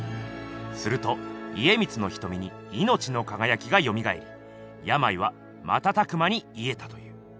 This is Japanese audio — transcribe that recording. すると家光のひとみにいのちのかがやきがよみがえりやまいはまたたく間にいえたという。